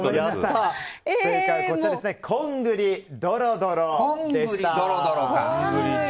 正解はこんぐりどろどろでした。